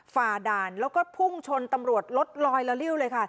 ฝ่าด่านแล้วก็พุ่งชนตำรวจรถลอยละริ้วเลยค่ะ